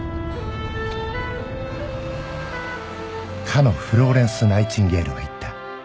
かのフローレンス・ナイチンゲールは言った